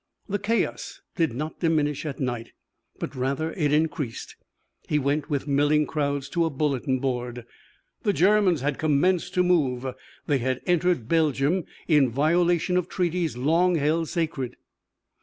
The chaos did not diminish at night, but, rather, it increased. He went with milling crowds to a bulletin board. The Germans had commenced to move. They had entered Belgium in violation of treaties long held sacred.